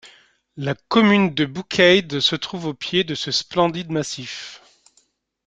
La commune de Boucaid se trouve au pied de ce splendide massif.